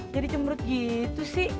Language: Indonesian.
jadi cemrut gitu sih